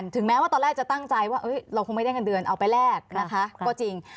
ถึงแม้ว่าตอนแรกจะตั้งใจว่าเราคงไม่ได้เงินเดือนเอาไปแลกนะคะก็จริง